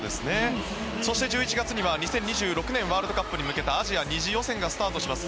そして１１月には２０２６年ワールドカップに向けたアジア２次予選がスタートします。